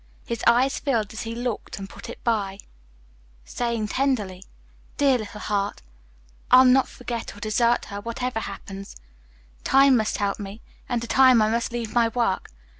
His eyes filled as he locked and put it by, saying tenderly, "Dear little heart! I'll not forget or desert her whatever happens. Time must help me, and to time I must leave my work.